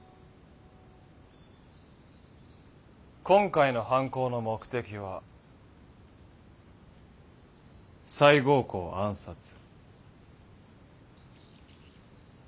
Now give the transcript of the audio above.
今回の犯行の目的は西郷公暗殺。